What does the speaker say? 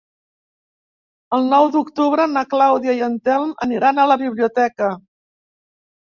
El nou d'octubre na Clàudia i en Telm aniran a la biblioteca.